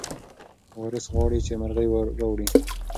وارث غواړي چې مرغۍ راوړي.